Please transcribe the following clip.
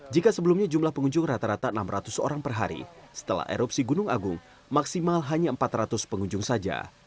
jika sebelumnya jumlah pengunjung rata rata enam ratus orang per hari setelah erupsi gunung agung maksimal hanya empat ratus pengunjung saja